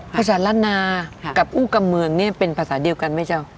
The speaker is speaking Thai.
ภาษาละนากับอู้กำเมืองเนี่ยเป็นภาษาเดียวกันไหมเจ้า